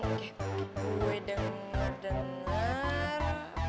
oke gue udah denger